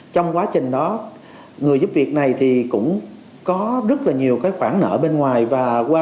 trong quá trình đó người giúp việc này thì cũng có rất là nhiều cái khoản nợ bên ngoài và qua